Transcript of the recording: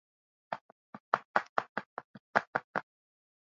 Hakuna dalili zinazodhihirika baada ya mnyama kufa kutokana na ugonjwa huu